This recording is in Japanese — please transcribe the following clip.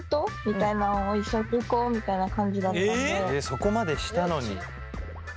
そこまでしたのに。